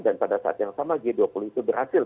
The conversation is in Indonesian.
dan pada saat yang sama g dua puluh itu berhasil